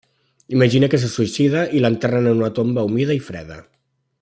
Imagina que se suïcida i l'enterren en una tomba humida i freda.